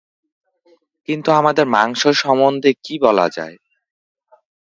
কিন্তু আমাদের মাংস সম্বন্ধে কী বলা যায়?